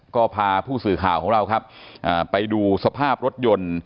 ก็พาผู้สื่อข่าวของเราครับไปดูสภาพรถยนต์